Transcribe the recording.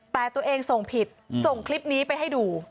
แต่ตัวเองส่งผิดส่งคลิปนี้ไปให้ดู